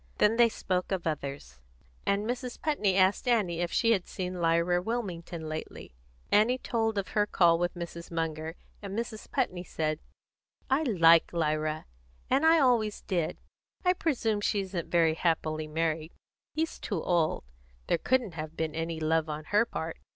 Then they spoke of others, and Mrs. Putney asked Annie if she had seen Lyra Wilmington lately. Annie told of her call with Mrs. Munger, and Mrs. Putney said: "I like Lyra, and I always did. I presume she isn't very happily married; he's too old; there couldn't have been any love on her part.